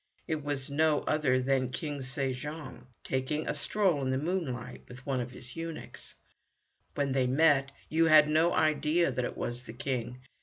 It was no other than King Se jong, taking a stroll in the moonlight with one of his eunuchs. When they met Yoo had no idea that it was the King.